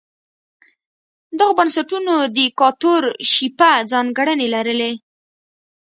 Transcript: دغو بنسټونو دیکتاتورشیپه ځانګړنې لرلې.